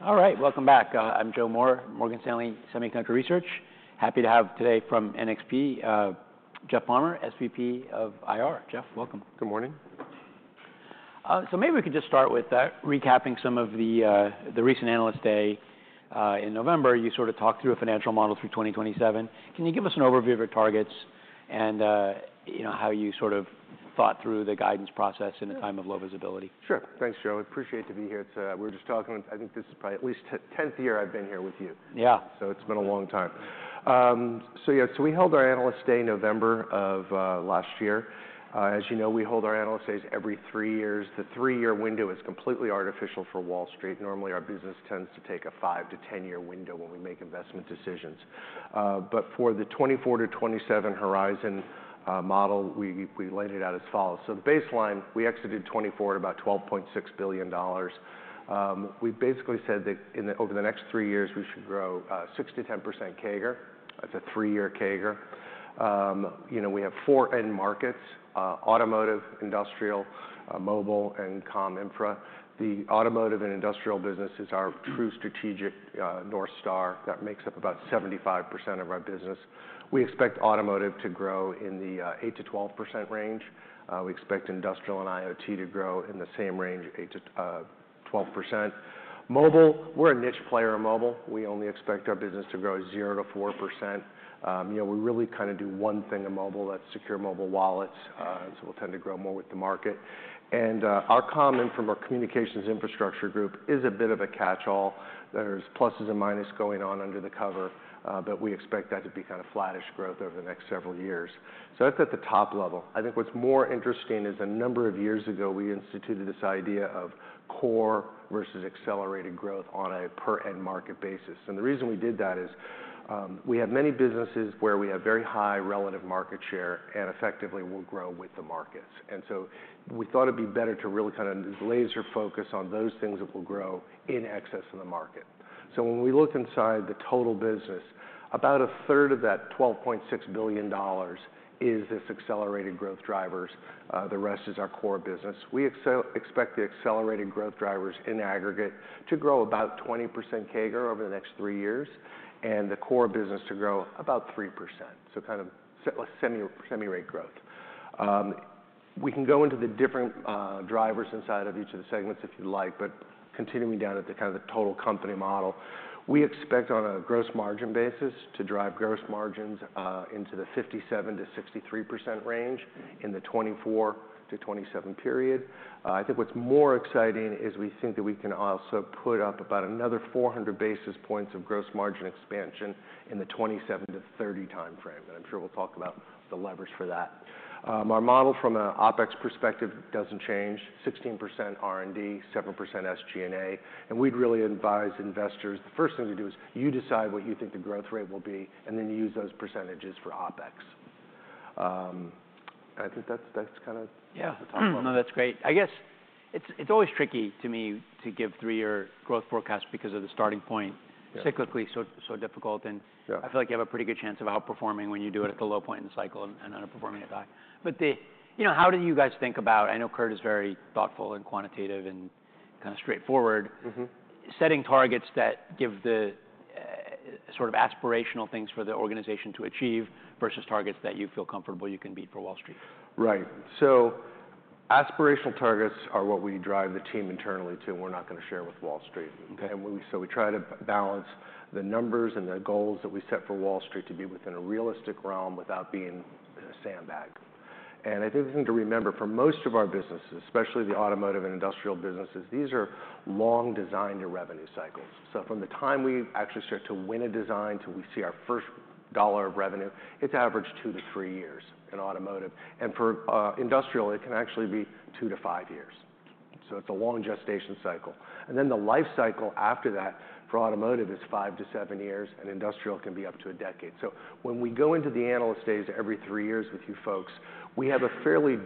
All right. Welcome back. I'm Joe Moore, Morgan Stanley Semiconductor Research. Happy to have today from NXP, Jeff Palmer, SVP of IR. Jeff, welcome. Good morning. So maybe we could just start with recapping some of the recent Analyst Day in November. You sort of talked through a financial model through 2027. Can you give us an overview of your targets and, you know, how you sort of thought through the guidance process in a time of low visibility? Sure. Thanks, Joe. Appreciate to be here. I think this is probably at least the 10th year I've been here with you. Yeah. It's been a long time. So yeah, we held our Analyst Day in November of last year. As you know, we hold our Analyst Days every three years. The three-year window is completely artificial for Wall Street. Normally, our business tends to take a 5-10-year window when we make investment decisions, but for the 2024-2027 horizon model, we laid it out as follows. The baseline, we exited 2024 at about $12.6 billion. We basically said that over the next three years, we should grow 6%-10% CAGR. That's a three-year CAGR. You know, we have four end markets: automotive, industrial, mobile, and comm infra. The automotive and industrial businesses are true strategic North Star that makes up about 75% of our business. We expect automotive to grow in the 8-12% range. We expect industrial and IoT to grow in the same range, 8%-12%. Mobile, we're a niche player in mobile. We only expect our business to grow 0%-4%. You know, we really kinda do one thing in mobile. That's secure mobile wallets, so we'll tend to grow more with the market, and our comm infra from our communications infrastructure group is a bit of a catch-all. There's pluses and minuses going on under the cover, but we expect that to be kinda flattish growth over the next several years. That's at the top level. I think what's more interesting is a number of years ago, we instituted this idea of core versus accelerated growth on a per-end market basis. The reason we did that is, we have many businesses where we have very high relative market share and effectively will grow with the markets. We thought it'd be better to really kinda laser focus on those things that will grow in excess of the market. When we look inside the total business, about a third of that $12.6 billion is this accelerated growth drivers. The rest is our core business. We expect the accelerated growth drivers in aggregate to grow about 20% CAGR over the next three years and the core business to grow about 3%. Kind of semiconductor growth. We can go into the different drivers inside of each of the segments if you'd like, but continuing down at the kind of the total company model, we expect on a gross margin basis to drive gross margins into the 57%-63% range in the 2024-2027 period. I think what's more exciting is we think that we can also put up about another 400 basis points of gross margin expansion in the 2027-2030 timeframe. And I'm sure we'll talk about the leverage for that. Our model from an OpEx perspective doesn't change, 16% R&D, 7% SG&A. And we'd really advise investors, the first thing to do is you decide what you think the growth rate will be, and then you use those percentages for OpEx. I think that's kinda. Yeah. The top level. No, that's great. I guess it's always tricky to me to give three-year growth forecasts because of the starting point. Yeah. Cyclically, so, so difficult. And. Yeah. I feel like you have a pretty good chance of outperforming when you do it at the low point in the cycle and underperforming at that. But, you know, how do you guys think about? I know Kurt is very thoughtful and quantitative and kinda straightforward. Setting targets that give the, sort of aspirational things for the organization to achieve versus targets that you feel comfortable you can beat for Wall Street? Right. So aspirational targets are what we drive the team internally to. We're not gonna share with Wall Street. So we try to balance the numbers and the goals that we set for Wall Street to be within a realistic realm without being a sandbag. And I think the thing to remember for most of our businesses, especially the automotive and industrial businesses, these are long design to revenue cycles. So from the time we actually start to win a design till we see our first dollar of revenue, it's averaged two to three years in automotive. And for industrial, it can actually be two to five years. So it's a long gestation cycle. And then the life cycle after that for automotive is five to seven years, and industrial can be up to a decade. So when we go into the Analyst Days every three years with you folks, we have a fairly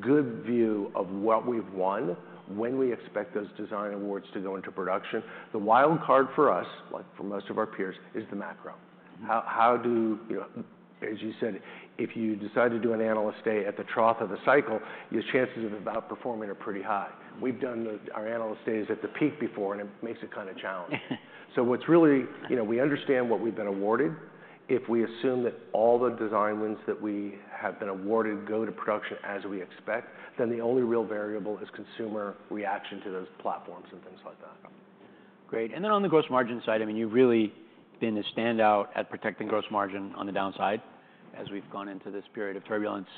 good view of what we've won, when we expect those design awards to go into production. The wild card for us, like for most of our peers, is the macro. How do, you know, as you said, if you decide to do an Analyst Day at the trough of the cycle, your chances of outperforming are pretty high. We've done our Analyst Days at the peak before, and it makes it kinda challenging. So what's really, you know, we understand what we've been awarded. If we assume that all the design wins that we have been awarded go to production as we expect, then the only real variable is consumer reaction to those platforms and things like that. Great. And then on the gross margin side, I mean, you've really been a standout at protecting gross margin on the downside as we've gone into this period of turbulence.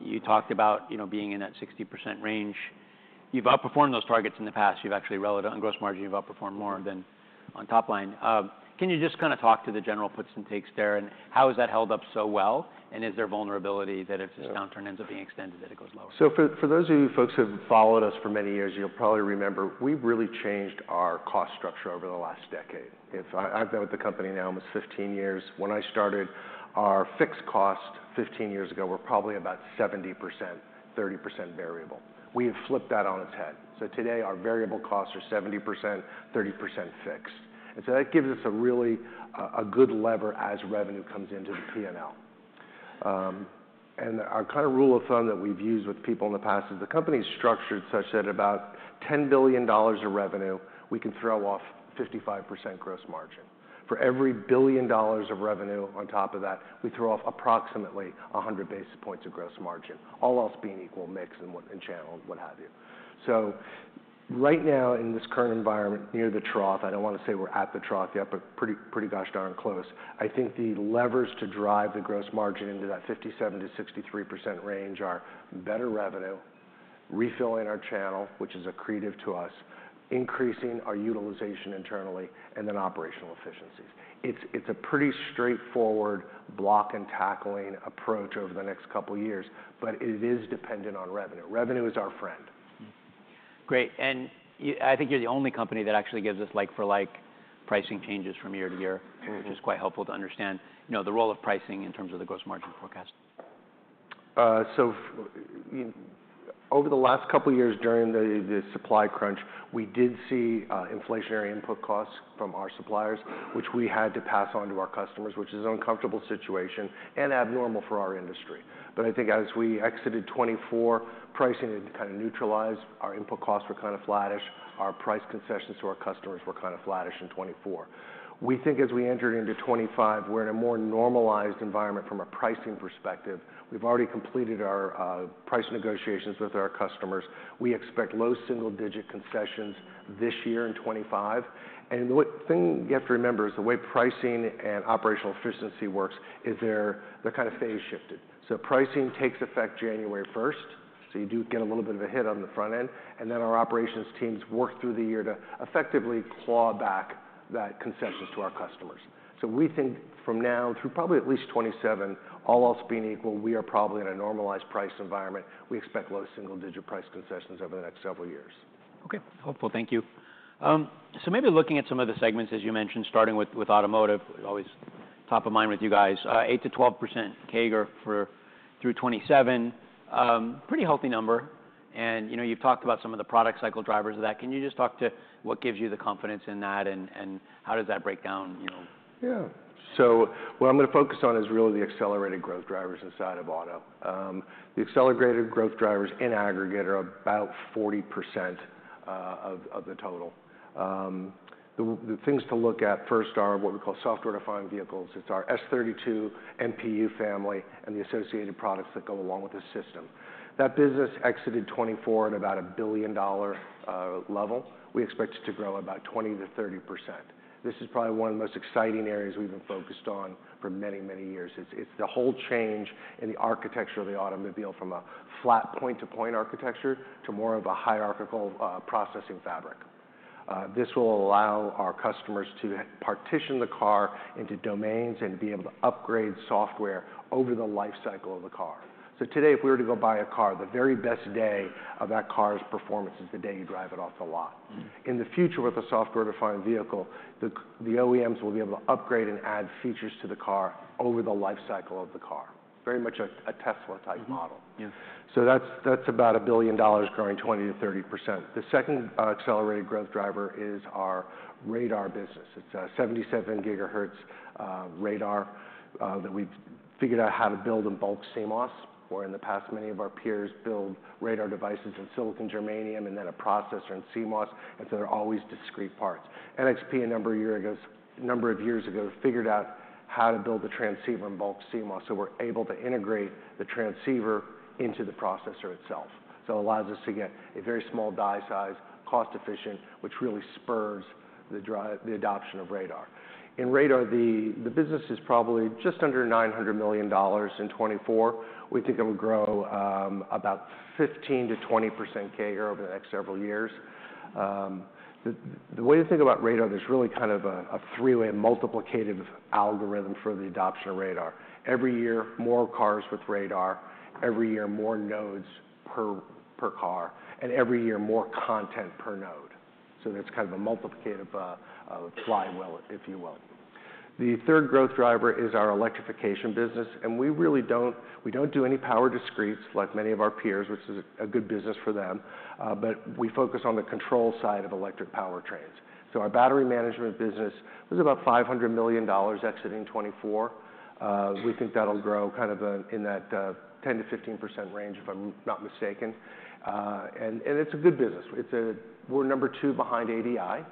You talked about, you know, being in that 60% range. You've outperformed those targets in the past. You've actually rallied on gross margin. You've outperformed more than on top line. Can you just kinda talk to the general puts and takes there and how is that held up so well? And is there vulnerability that if this downturn ends up being extended, that it goes lower? So for those of you folks who have followed us for many years, you'll probably remember we've really changed our cost structure over the last decade. I've been with the company now almost 15 years. When I started, our fixed cost 15 years ago were probably about 70%, 30% variable. We have flipped that on its head. So today, our variable costs are 70%, 30% fixed. And so that gives us a really good lever as revenue comes into the P&L. And our kinda rule of thumb that we've used with people in the past is the company's structured such that about $10 billion of revenue, we can throw off 55% gross margin. For every billion dollars of revenue on top of that, we throw off approximately 100 basis points of gross margin, all else being equal mix and what and channel and what have you. So right now, in this current environment near the trough, I don't wanna say we're at the trough yet, but pretty, pretty gosh darn close. I think the levers to drive the gross margin into that 57%-63% range are better revenue, refilling our channel, which is accretive to us, increasing our utilization internally, and then operational efficiencies. It's a pretty straightforward block and tackling approach over the next couple of years, but it is dependent on revenue. Revenue is our friend. Great. And you, I think you're the only company that actually gives us like-for-like pricing changes from year to year, which is quite helpful to understand, you know, the role of pricing in terms of the gross margin forecast. So over the last couple of years during the supply crunch, we did see inflationary input costs from our suppliers, which we had to pass on to our customers, which is an uncomfortable situation and abnormal for our industry. But I think as we exited 2024, pricing had kinda neutralized. Our input costs were kinda flattish. Our price concessions to our customers were kinda flattish in 2024. We think as we entered into 2025, we're in a more normalized environment from a pricing perspective. We've already completed our price negotiations with our customers. We expect low single-digit concessions this year in 2025. And the thing you have to remember is the way pricing and operational efficiency works is they're kinda phase shifted. So pricing takes effect January 1st. So you do get a little bit of a hit on the front end. And then our operations teams work through the year to effectively claw back that concessions to our customers. So we think from now through probably at least 2027, all else being equal, we are probably in a normalized price environment. We expect low single-digit price concessions over the next several years. Okay. Helpful. Thank you, so maybe looking at some of the segments, as you mentioned, starting with automotive, always top of mind with you guys, 8%-12% CAGR through 2027, pretty healthy number, and you know, you've talked about some of the product cycle drivers of that. Can you just talk to what gives you the confidence in that and how does that break down, you know? Yeah. So what I'm gonna focus on is really the accelerated growth drivers inside of auto. The accelerated growth drivers in aggregate are about 40% of the total. The things to look at first are what we call software-defined vehicles. It's our S32 MPU family and the associated products that go along with the system. That business exited 2024 at about a $1 billion level. We expect it to grow about 20%-30%. This is probably one of the most exciting areas we've been focused on for many, many years. It's the whole change in the architecture of the automobile from a flat point-to-point architecture to more of a hierarchical, processing fabric. This will allow our customers to partition the car into domains and be able to upgrade software over the life cycle of the car. Today, if we were to go buy a car, the very best day of that car's performance is the day you drive it off the lot. In the future, with a software-defined vehicle, the OEMs will be able to upgrade and add features to the car over the life cycle of the car, very much a Tesla-type model. That's about $1 billion growing 20%-30%. The second accelerated growth driver is our radar business. It's a 77 gigahertz radar that we've figured out how to build in bulk CMOS, where in the past many of our peers build radar devices in silicon germanium and then a processor in CMOS. And so they're always discrete parts. NXP a number of years ago figured out how to build the transceiver in bulk CMOS so we're able to integrate the transceiver into the processor itself. So it allows us to get a very small die size, cost-efficient, which really spurs the drive, the adoption of radar. In radar the business is probably just under $900 million in 2024. We think it will grow about 15%-20% CAGR over the next several years. The way to think about radar, there's really kind of a three-way multiplicative algorithm for the adoption of radar. Every year, more cars with radar. Every year, more nodes per car. And every year, more content per node. So that's kind of a multiplicative flywheel, if you will. The third growth driver is our electrification business. And we really don't do any power discretes like many of our peers, which is a good business for them. But we focus on the control side of electric power trains. So our battery management business was about $500 million exiting 2024. We think that'll grow kind of in that 10%-15% range if I'm not mistaken. And it's a good business. We're number two behind ADI.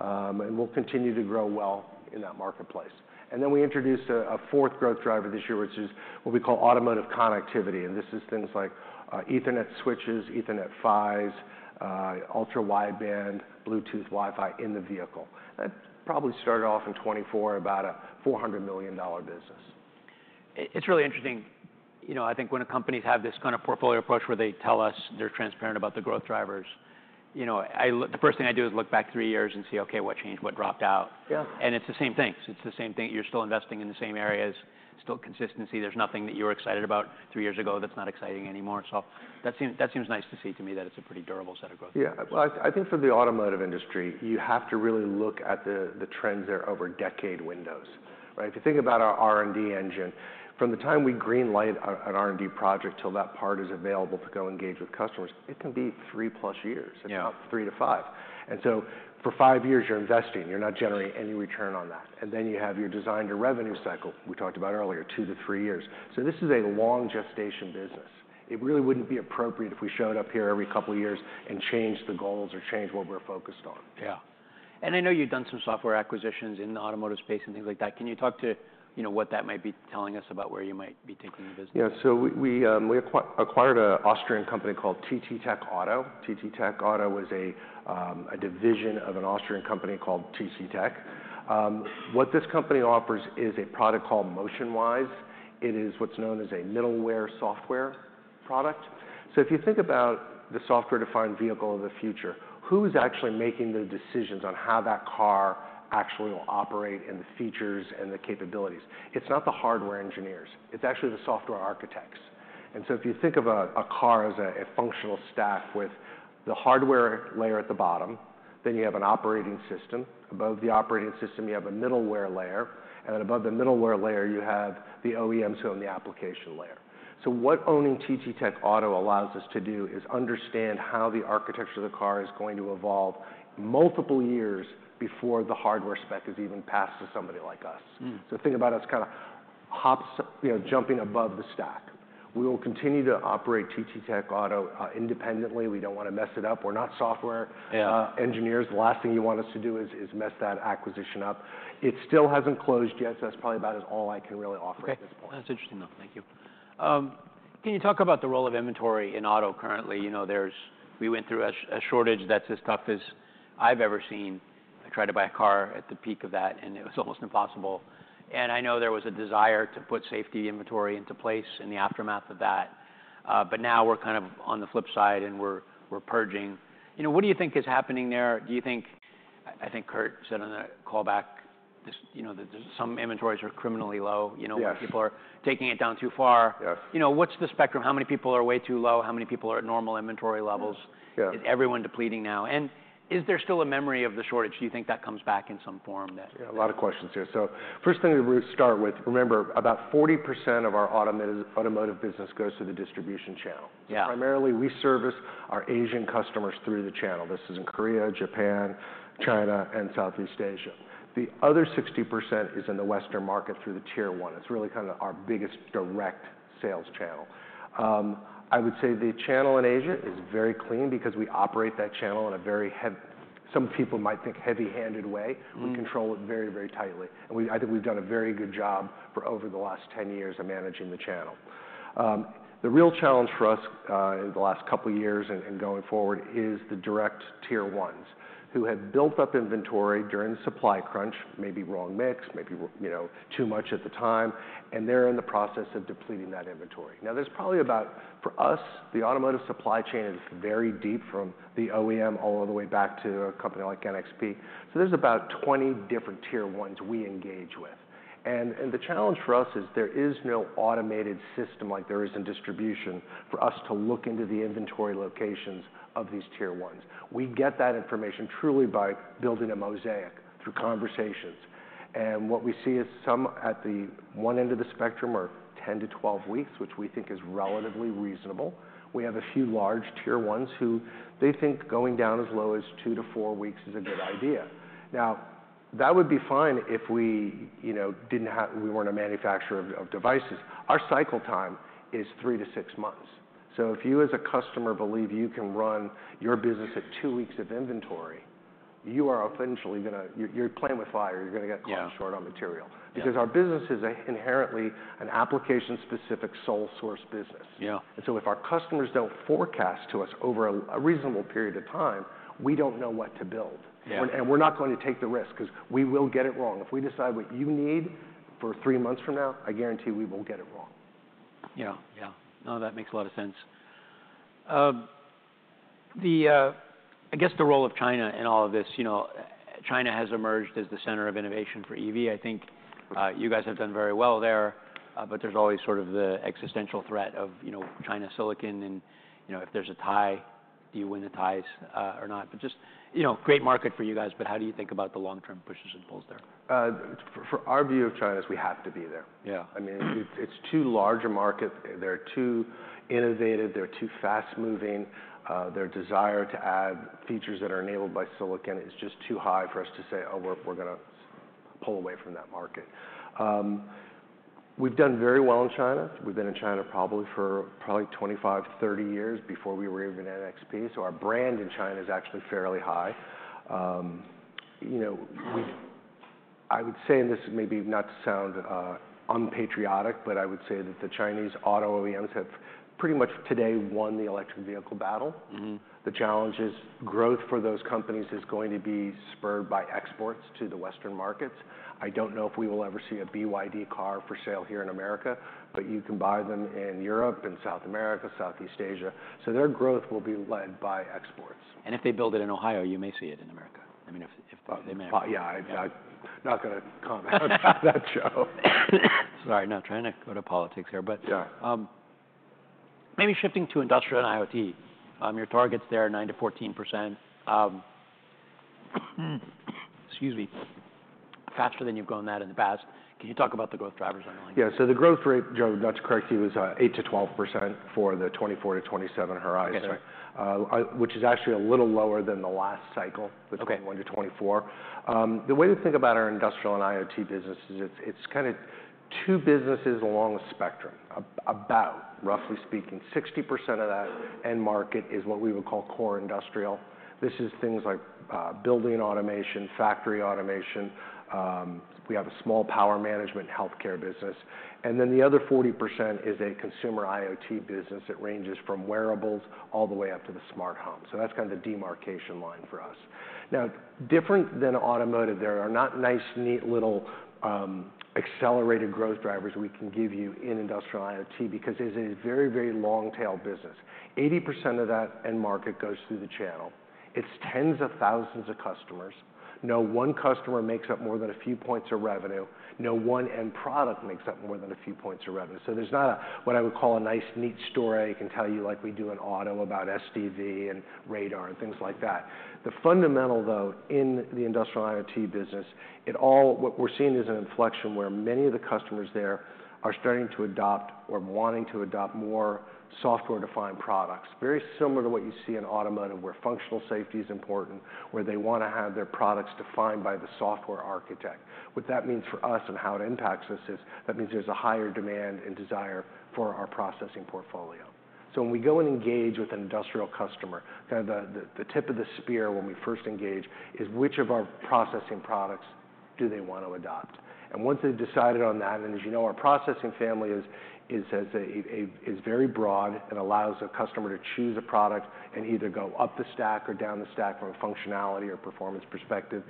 And we'll continue to grow well in that marketplace. And then we introduced a fourth growth driver this year, which is what we call automotive connectivity. This is things like Ethernet switches, Ethernet PHYs, ultra-wideband, Bluetooth, Wi-Fi in the vehicle. That probably started off in 2024 about a $400 million business. It's really interesting. You know, I think when companies have this kind of portfolio approach where they tell us they're transparent about the growth drivers, you know, I look, the first thing I do is look back three years and see, okay, what changed, what dropped out. Yeah. It's the same thing. It's the same thing. You're still investing in the same areas, still consistency. There's nothing that you were excited about three years ago that's not exciting anymore. That seems, that seems nice to see to me that it's a pretty durable set of growth. Yeah. Well, I think for the automotive industry, you have to really look at the trends there over decade windows, right? If you think about our R&D engine, from the time we greenlight an R&D project till that part is available to go engage with customers, it can be three plus years. It's three to five. And so for five years, you're investing. You're not generating any return on that. And then you have your design to revenue cycle, we talked about earlier, two to three years. So this is a long gestation business. It really wouldn't be appropriate if we showed up here every couple of years and changed the goals or changed what we're focused on. Yeah. And I know you've done some software acquisitions in the automotive space and things like that. Can you talk to, you know, what that might be telling us about where you might be taking the business? Yeah. So we acquired an Austrian company called TTTech Auto. TTTech Auto is a division of an Austrian company called TTTech. What this company offers is a product called MotionWise. It is what's known as a middleware software product. So if you think about the software-defined vehicle of the future, who's actually making the decisions on how that car actually will operate and the features and the capabilities? It's not the hardware engineers. It's actually the software architects. And so if you think of a car as a functional stack with the hardware layer at the bottom, then you have an operating system. Above the operating system, you have a middleware layer. And then above the middleware layer, you have the OEMs who own the application layer. So what owning TTTech Auto allows us to do is understand how the architecture of the car is going to evolve multiple years before the hardware spec is even passed to somebody like us. So think about us kinda hops, you know, jumping above the stack. We will continue to operate TTTech Auto independently. We don't wanna mess it up. We're not software engineers. The last thing you want us to do is mess that acquisition up. It still hasn't closed yet. So that's probably about as all I can really offer at this point. Okay. That's interesting though. Thank you. Can you talk about the role of inventory in auto currently? You know, we went through a shortage that's as tough as I've ever seen. I tried to buy a car at the peak of that, and it was almost impossible, and I know there was a desire to put safety inventory into place in the aftermath of that, but now we're kind of on the flip side and we're purging. You know, what do you think is happening there? Do you think? I think Kurt said on the callback, you know, that there's some inventories are criminally low. You know, when people are taking it down too far. You know, what's the spectrum? How many people are way too low? How many people are at normal inventory levels? Is everyone depleting now? And is there still a memory of the shortage? Do you think that comes back in some form that? Yeah. A lot of questions here, so first thing we start with, remember about 40% of our automotive business goes through the distribution channel. So primarily we service our Asian customers through the channel. This is in Korea, Japan, China, and Southeast Asia. The other 60% is in the Western market through the Tier 1. It's really kinda our biggest direct sales channel. I would say the channel in Asia is very clean because we operate that channel in a very heavy, some people might think heavy-handed way. We control it very, very tightly, and we, I think, have done a very good job for over the last 10 years of managing the channel. The real challenge for us, in the last couple of years and going forward, is the direct Tier 1s who have built up inventory during the supply crunch, maybe wrong mix, maybe, you know, too much at the time, and they're in the process of depleting that inventory. Now, there's probably about, for us, the automotive supply chain is very deep from the OEM all the way back to a company like NXP, so there's about 20 different Tier 1s we engage with, and the challenge for us is there is no automated system like there is in distribution for us to look into the inventory locations of these Tier 1s. We get that information truly by building a mosaic through conversations. What we see is some at the one end of the spectrum are 10-12 weeks, which we think is relatively reasonable. We have a few large Tier 1s who they think going down as low as 2-4 weeks is a good idea. Now, that would be fine if we, you know, didn't, we weren't a manufacturer of devices. Our cycle time is 3-6 months. So if you as a customer believe you can run your business at 2 weeks of inventory, you are essentially gonna, you're playing with fire. You're gonna get cut short on material. Because our business is inherently an application-specific sole-source business. And so if our customers don't forecast to us over a reasonable period of time, we don't know what to build. We're not going to take the risk 'cause we will get it wrong. If we decide what you need for three months from now, I guarantee we will get it wrong. Yeah. Yeah. No, that makes a lot of sense. I guess the role of China in all of this, you know, China has emerged as the center of innovation for EV. I think, you guys have done very well there, but there's always sort of the existential threat of, you know, China silicon. And, you know, if there's a tie, do you win the ties, or not? But just, you know, great market for you guys. But how do you think about the long-term pushes and pulls there? For our view of China is we have to be there. I mean, it's too large a market. They're too innovative. They're too fast-moving. Their desire to add features that are enabled by silicon is just too high for us to say, "Oh, we're gonna pull away from that market." We've done very well in China. We've been in China probably for 25-30 years before we were even at NXP. So our brand in China is actually fairly high. You know, we've, I would say, and this is maybe not to sound unpatriotic, but I would say that the Chinese auto OEMs have pretty much today won the electric vehicle battle. The challenge is growth for those companies is going to be spurred by exports to the Western markets. I don't know if we will ever see a BYD car for sale here in America, but you can buy them in Europe and South America, Southeast Asia. So their growth will be led by exports. And if they build it in Ohio, you may see it in America. I mean, if they may. Yeah. I'm not gonna comment on that show. Sorry. No, trying to go to politics here, but. Maybe shifting to industrial and IoT. Your targets there are 9%-14%. Excuse me. Faster than you've grown that in the past. Can you talk about the growth drivers on the line? Yeah. So the growth rate, Joe, that's correct. He was 8%-12% for the 2024-2027 horizon. which is actually a little lower than the last cycle. Between 2021 to 2024, the way to think about our industrial and IoT business is it's kinda two businesses along the spectrum. About, roughly speaking, 60% of that end market is what we would call core industrial. This is things like building automation, factory automation. We have a small power management, healthcare business, and then the other 40% is a consumer IoT business that ranges from wearables all the way up to the smart home, so that's kinda the demarcation line for us. Now, different than automotive, there are not nice, neat little, accelerated growth drivers we can give you in industrial IoT because it is a very, very long-tail business. 80% of that end market goes through the channel. It's tens of thousands of customers. No one customer makes up more than a few points of revenue. No one end product makes up more than a few points of revenue. So there's not a, what I would call, a nice, neat story. I can tell you like we do in auto about SDV and radar and things like that. The fundamental though in the industrial IoT business, it all, what we're seeing is an inflection where many of the customers there are starting to adopt or wanting to adopt more software-defined products. Very similar to what you see in automotive where functional safety is important, where they wanna have their products defined by the software architect. What that means for us and how it impacts us is that means there's a higher demand and desire for our processing portfolio. So when we go and engage with an industrial customer, kinda the tip of the spear when we first engage is which of our processing products do they wanna adopt? And once they've decided on that, and as you know, our processing family is very broad and allows a customer to choose a product and either go up the stack or down the stack from a functionality or performance perspective.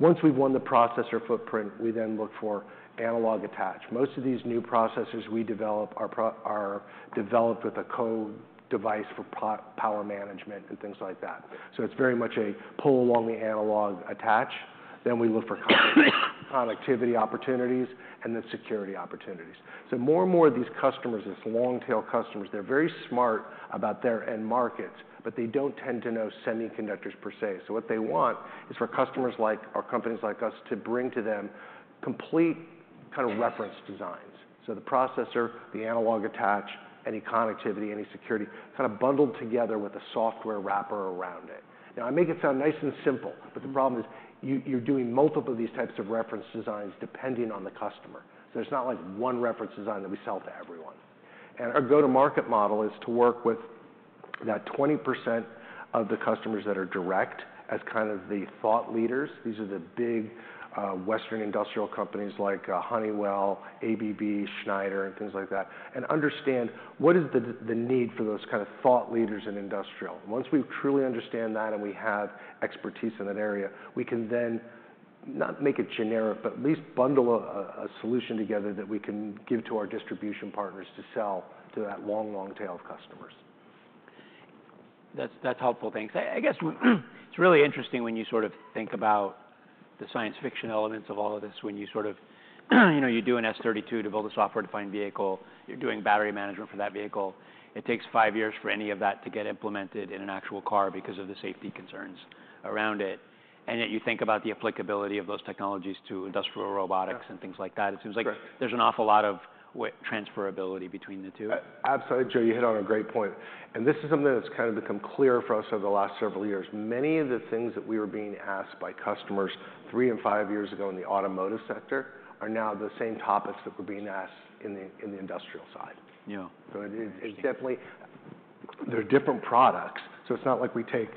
Once we've won the processor footprint, we then look for analog attach. Most of these new processors we develop are developed with a co-device for power management and things like that. So it's very much a pull along the analog attach. Then we look for connectivity opportunities and then security opportunities. So, more and more of these customers, these long-tail customers, they're very smart about their end markets, but they don't tend to know semiconductors per se. So, what they want is for customers like our companies like us to bring to them complete kinda reference designs. So, the processor, the analog attach, any connectivity, any security kinda bundled together with a software wrapper around it. Now, I make it sound nice and simple, but the problem is you, you're doing multiple of these types of reference designs depending on the customer. So, there's not like one reference design that we sell to everyone. And our go-to-market model is to work with that 20% of the customers that are direct as kind of the thought leaders. These are the big, Western industrial companies like Honeywell, ABB, Schneider, and things like that, and understand what is the need for those kinda thought leaders in industrial. Once we truly understand that and we have expertise in that area, we can then not make it generic, but at least bundle a solution together that we can give to our distribution partners to sell to that long, long tail of customers. That's helpful. Thanks. I guess it's really interesting when you sort of think about the science fiction elements of all of this when you sort of, you know, you do an S32 to build a software-defined vehicle. You're doing battery management for that vehicle. It takes five years for any of that to get implemented in an actual car because of the safety concerns around it. And yet you think about the applicability of those technologies to industrial robotics and things like that. It seems like. There's an awful lot of transferability between the two. Absolutely, Joe. You hit on a great point. And this is something that's kinda become clear for us over the last several years. Many of the things that we were being asked by customers three and five years ago in the automotive sector are now the same topics that were being asked in the industrial side. So it's definitely there are different products. So it's not like we take,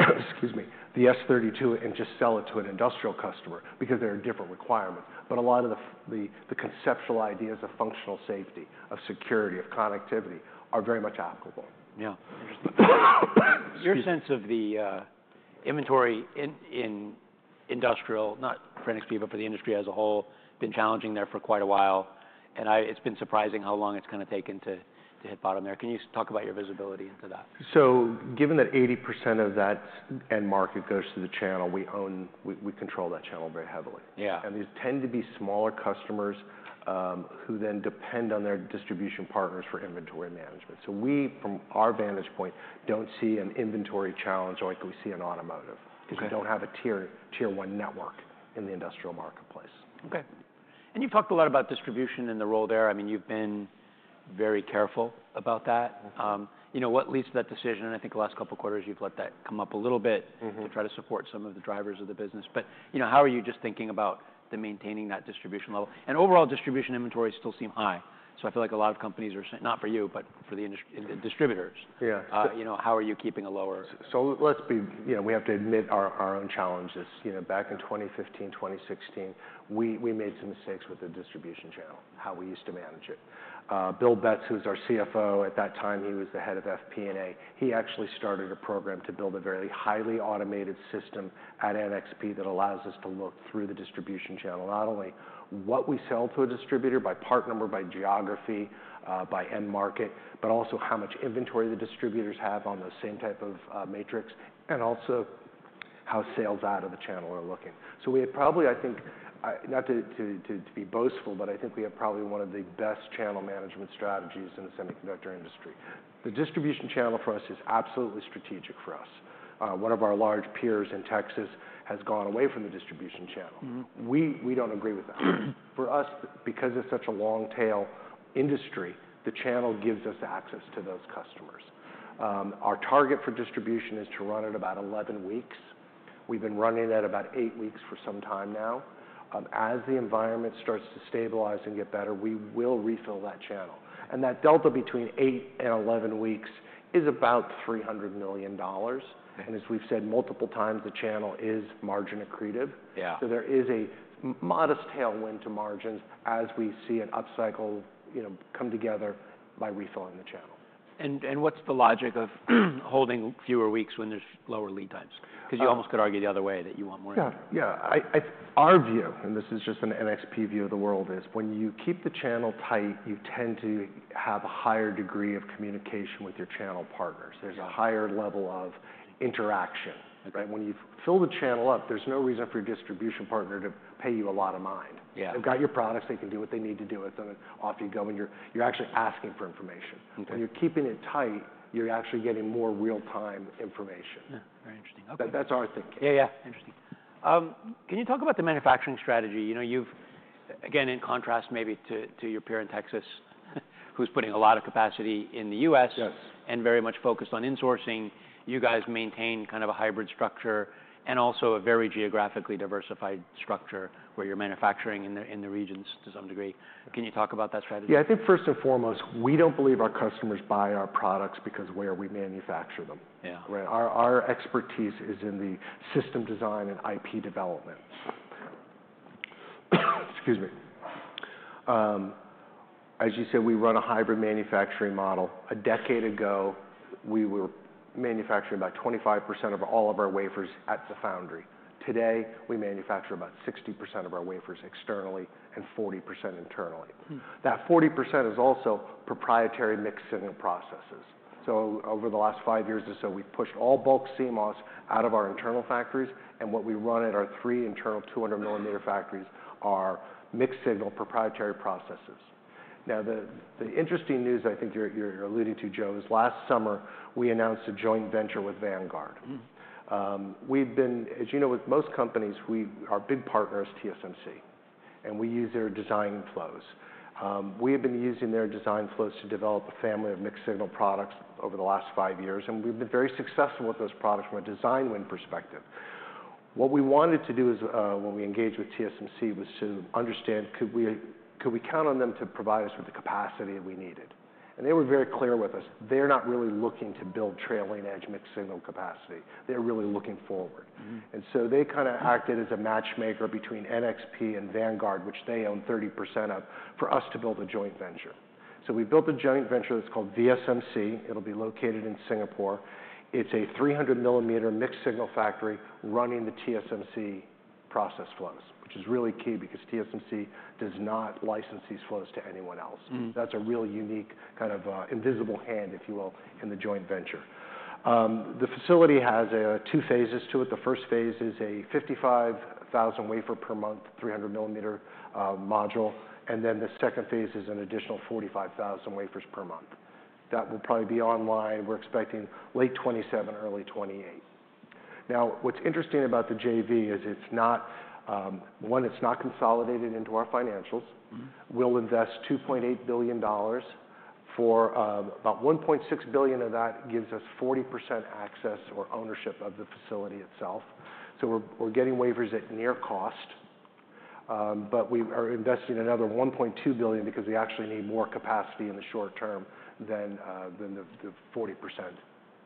excuse me, the S32 and just sell it to an industrial customer because there are different requirements. But a lot of the conceptual ideas of functional safety, of security, of connectivity are very much applicable. Yeah. Interesting. Your sense of the inventory in industrial, not for NXP, but for the industry as a whole, been challenging there for quite a while. It's been surprising how long it's kinda taken to hit bottom there. Can you talk about your visibility into that? Given that 80% of that end market goes through the channel, we own, we control that channel very heavily. Yeah. These tend to be smaller customers, who then depend on their distribution partners for inventory management. We, from our vantage point, don't see an inventory challenge like we see in automotive because we don't have a Tier 1 network in the industrial marketplace. Okay. And you've talked a lot about distribution and the role there. I mean, you've been very careful about that. You know, what leads to that decision? And I think the last couple of quarters you've let that come up a little bit. To try to support some of the drivers of the business. But, you know, how are you just thinking about the maintaining that distribution level? And overall distribution inventory still seem high. So I feel like a lot of companies are saying, not for you, but for the industry, the distributors. Yeah. You know, how are you keeping a lower? So let's be, you know, we have to admit our own challenges. You know, back in 2015, 2016, we made some mistakes with the distribution channel, how we used to manage it. Bill Betz, who was our CFO at that time, he was the head of FP&A. He actually started a program to build a very highly automated system at NXP that allows us to look through the distribution channel, not only what we sell to a distributor by part number, by geography, by end market, but also how much inventory the distributors have on the same type of matrix and also how sales out of the channel are looking. So we have probably, I think, not to be boastful, but I think we have probably one of the best channel management strategies in the semiconductor industry. The distribution channel for us is absolutely strategic for us. One of our large peers in Texas has gone away from the distribution channel. We, we don't agree with that. For us, because it's such a long-tail industry, the channel gives us access to those customers. Our target for distribution is to run it about 11 weeks. We've been running it at about eight weeks for some time now. As the environment starts to stabilize and get better, we will refill that channel. And that delta between eight and 11 weeks is about $300 million. And as we've said multiple times, the channel is margin accretive. Yeah. There is a modest tailwind to margins as we see an upcycle, you know, come together by refilling the channel. What's the logic of holding fewer weeks when there's lower lead times? 'Cause you almost could argue the other way that you want more lead time. Yeah. Yeah. I, I think our view, and this is just an NXP view of the world, is when you keep the channel tight, you tend to have a higher degree of communication with your channel partners. There's a higher level of interaction. Right? When you fill the channel up, there's no reason for your distribution partner to pay you a lot of mind. Yeah. They've got your products. They can do what they need to do with them. And off you go. And you're actually asking for information. When you're keeping it tight, you're actually getting more real-time information. That, that's our thinking. Yeah. Yeah. Interesting. Can you talk about the manufacturing strategy? You know, you've, again, in contrast maybe to, to your peer in Texas who's putting a lot of capacity in the U.S. Yes. Very much focused on insourcing. You guys maintain kind of a hybrid structure and also a very geographically diversified structure where you're manufacturing in the regions to some degree. Can you talk about that strategy? Yeah. I think first and foremost, we don't believe our customers buy our products because where we manufacture them. Yeah. Right? Our expertise is in the system design and IP development. Excuse me. As you said, we run a hybrid manufacturing model. A decade ago, we were manufacturing about 25% of all of our wafers at the foundry. Today, we manufacture about 60% of our wafers externally and 40% internally. That 40% is also proprietary mixed signal processes. So over the last five years or so, we've pushed all bulk CMOS out of our internal factories. And what we run at our three internal 200-millimeter factories are mixed signal proprietary processes. Now, the interesting news I think you're alluding to, Joe, is last summer we announced a joint venture with Vanguard. We've been, as you know, with most companies, our big partner is TSMC, and we use their design flows. We have been using their design flows to develop a family of mixed signal products over the last five years. And we've been very successful with those products from a design win perspective. What we wanted to do is, when we engaged with TSMC was to understand, could we, could we count on them to provide us with the capacity that we needed? And they were very clear with us. They're not really looking to build trailing edge mixed signal capacity. They're really looking forward.. And so they kinda acted as a matchmaker between NXP and Vanguard, which they own 30% of, for us to build a joint venture. So we built a joint venture that's called VSMC. It'll be located in Singapore. It's a 300-millimeter mixed signal factory running the TSMC process flows, which is really key because TSMC does not license these flows to anyone else. That's a real unique kind of, invisible hand, if you will, in the joint venture. The facility has two phases to it. The first phase is a 55,000 wafer per month, 300-millimeter, module. And then the second phase is an additional 45,000 wafers per month. That will probably be online. We're expecting late 2027, early 2028. Now, what's interesting about the JV is it's not, one, it's not consolidated into our financials. We'll invest $2.8 billion. About $1.6 billion of that gives us 40% access or ownership of the facility itself. So we're getting wafers at near cost. But we are investing another $1.2 billion because we actually need more capacity in the short term than the 40%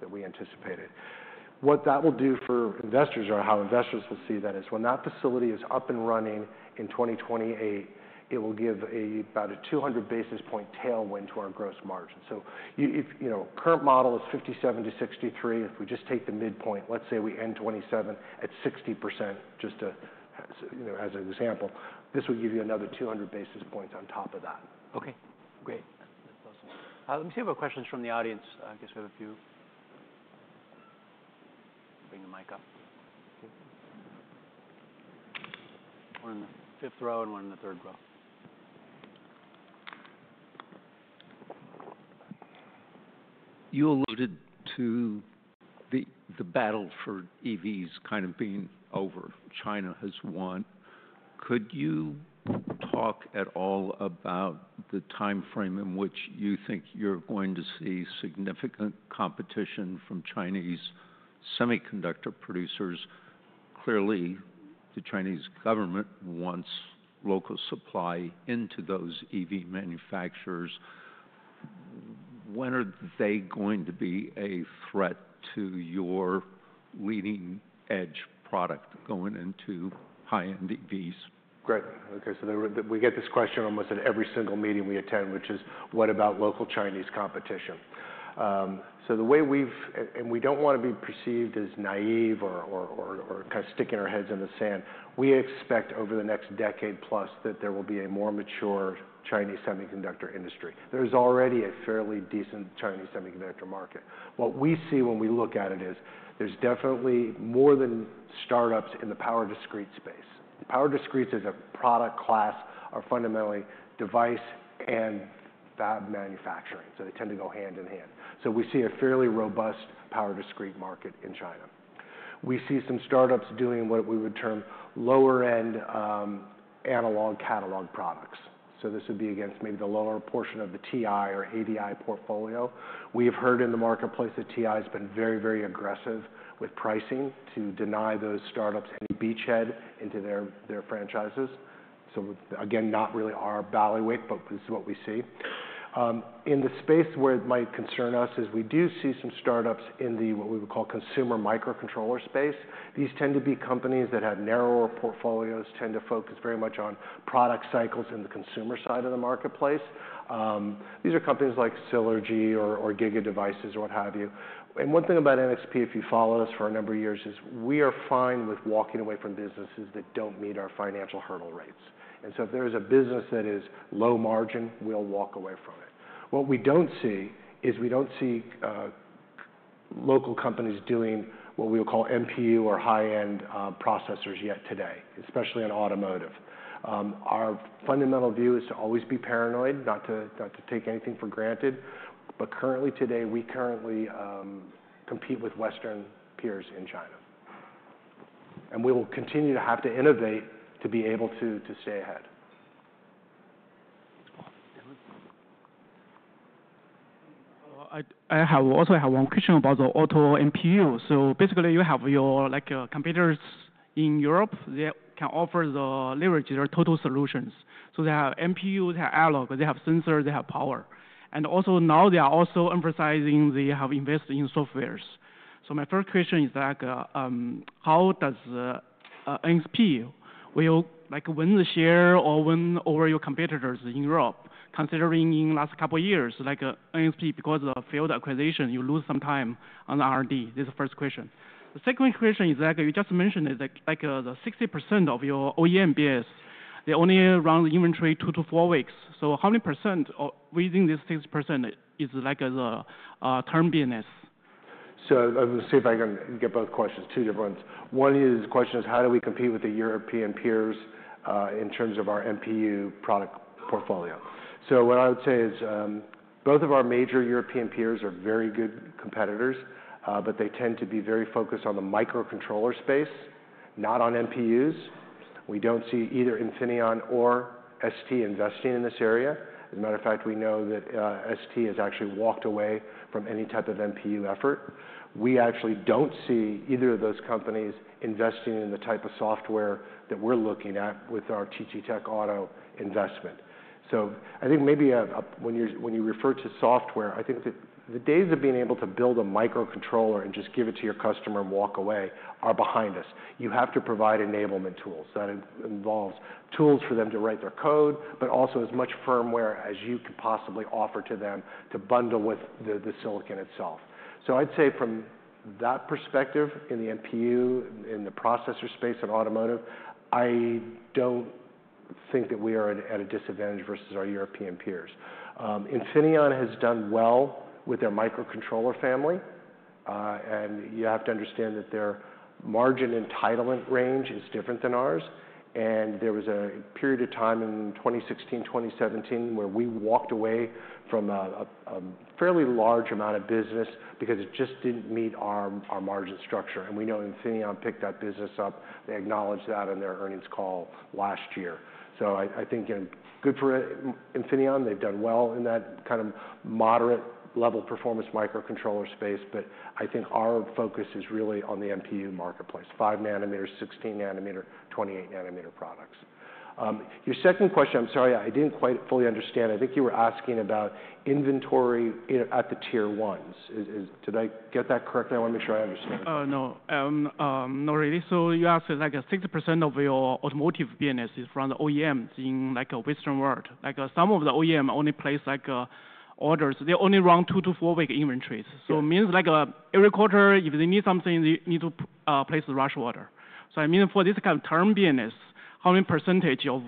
that we anticipated. What that will do for investors or how investors will see that is when that facility is up and running in 2028, it will give about a 200 basis points tailwind to our gross margin. So you, if, you know, current model is 57%-63%. If we just take the midpoint, let's say we end 2027 at 60%, just to, you know, as an example, this would give you another 200 basis points on top of that. Okay. Great. That's awesome. Let me see if we have questions from the audience. I guess we have a few. Bring the mic up. One in the fifth row and one in the third row. You alluded to the battle for EVs kind of being over. China has won. Could you talk at all about the timeframe in which you think you're going to see significant competition from Chinese semiconductor producers? Clearly, the Chinese government wants local supply into those EV manufacturers. When are they going to be a threat to your leading edge product going into high-end EVs? Great. Okay. So we get this question almost at every single meeting we attend, which is, what about local Chinese competition? So the way we've and we don't wanna be perceived as naive or kinda sticking our heads in the sand, we expect over the next decade plus that there will be a more mature Chinese semiconductor industry. There's already a fairly decent Chinese semiconductor market. What we see when we look at it is there's definitely more than startups in the power discrete space. Power discrete is a product class of fundamentally device and fab manufacturing. So they tend to go hand in hand. So we see a fairly robust power discrete market in China. We see some startups doing what we would term lower-end, analog catalog products. So this would be against maybe the lower portion of the TI or ADI portfolio. We have heard in the marketplace that TI has been very, very aggressive with pricing to deny those startups any beachhead into their, their franchises. So again, not really our bailiwick, but this is what we see. In the space where it might concern us is we do see some startups in the what we would call consumer microcontroller space. These tend to be companies that have narrower portfolios, tend to focus very much on product cycles in the consumer side of the marketplace. These are companies like Silergy or, or GigaDevice or what have you. And one thing about NXP, if you follow us for a number of years, is we are fine with walking away from businesses that don't meet our financial hurdle rates. And so if there is a business that is low margin, we'll walk away from it. What we don't see is local companies doing what we'll call MPU or high-end processors yet today, especially in automotive. Our fundamental view is to always be paranoid, not to take anything for granted. But currently today, we compete with Western peers in China. And we will continue to have to innovate to be able to stay ahead. I also have one question about the auto MPU. So basically, you have your, like, computers in Europe. They can offer the leverage, their total solutions. So they have MPU, they have analog, they have sensor, they have power. And also now they are also emphasizing they have invested in software. So my first question is like, how does NXP will, like, win the share or win over your competitors in Europe, considering in the last couple of years, like, NXP, because of Freescale acquisition, you lose some time on R&D? This is the first question. The second question is like, you just mentioned is like, the 60% of your OEMs, they only run the inventory two to four weeks. So how many percent or within this 60% is like the term business? So let me see if I can get both questions, two different ones. One is the question is, how do we compete with the European peers, in terms of our MPU product portfolio? So what I would say is, both of our major European peers are very good competitors, but they tend to be very focused on the microcontroller space, not on MPUs. We don't see either Infineon or ST investing in this area. As a matter of fact, we know that, ST has actually walked away from any type of MPU effort. We actually don't see either of those companies investing in the type of software that we're looking at with our TTTech Auto investment. So I think maybe when you refer to software, I think that the days of being able to build a microcontroller and just give it to your customer and walk away are behind us. You have to provide enablement tools. That involves tools for them to write their code, but also as much firmware as you can possibly offer to them to bundle with the silicon itself. So I'd say from that perspective in the MPU, in the processor space in automotive, I don't think that we are at a disadvantage versus our European peers. Infineon has done well with their microcontroller family, and you have to understand that their margin entitlement range is different than ours. There was a period of time in 2016, 2017 where we walked away from a fairly large amount of business because it just didn't meet our margin structure. We know Infineon picked that business up. They acknowledged that in their earnings call last year. I think, you know, good for Infineon. They've done well in that kind of moderate-level performance microcontroller space. I think our focus is really on the MPU marketplace, 5nm, 16nm, 28nm products. Your second question, I'm sorry, I didn't quite fully understand. I think you were asking about inventory at the Tier 1s. Did I get that correctly? I wanna make sure I understand. No, not really. So you asked like a 60% of your automotive business is from the OEMs in like a Western world. Like some of the OEM only place like orders. They only run two- to four-week inventories. So it means like every quarter, if they need something, they need to place the rush order. So I mean for this kind of term business, how many percentage of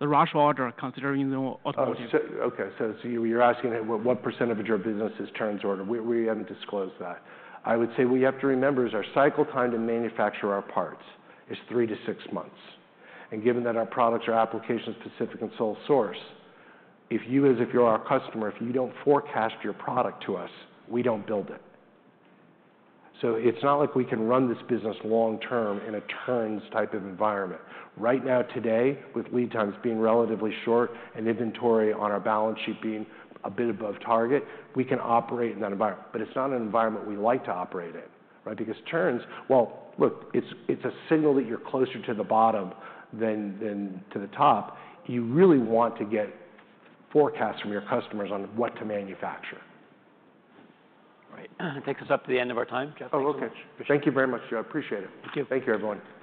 the rush order considering the automotive? Oh, so okay. So you were asking what, what percent of your business is terms order? We, we haven't disclosed that. I would say what you have to remember is our cycle time to manufacture our parts is three to six months. And given that our products are application-specific and sole source, if you, as if you're our customer, if you don't forecast your product to us, we don't build it. So it's not like we can run this business long-term in a terms type of environment. Right now, today, with lead times being relatively short and inventory on our balance sheet being a bit above target, we can operate in that environment. But it's not an environment we like to operate in, right? Because terms, well, look, it's, it's a signal that you're closer to the bottom than, than to the top. You really want to get forecasts from your customers on what to manufacture. All right. That gets us up to the end of our time. Oh, okay. Thank you very much, Joe. I appreciate it. Thank you. Thank you, everyone.